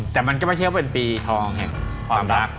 แต่มันก็ไม่ใช่ว่าเป็นปีทองแห่งความรัก